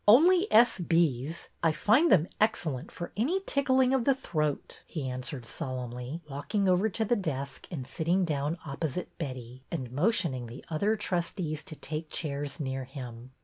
Only S.B.'s. I find them excellent for any tickling of the throat," he answered solemnly, walking over to the desk and sitting down op posite Betty, and motioning the other trustees to take chairs near him.